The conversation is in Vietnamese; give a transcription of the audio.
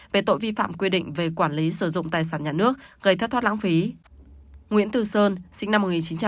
về tội vi phạm quy định về quản lý sử dụng tài sản nhà nước gây thất thoát lãng phí